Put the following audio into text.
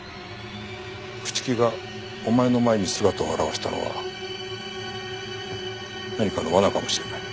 朽木がお前の前に姿を現したのは何かの罠かもしれない。